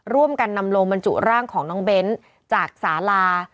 ร่วมกันนำโลงบรรจุร่างของน้องเบ้นจากสาลา